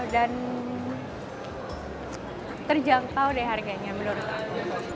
dan terjangkau deh harganya menurut aku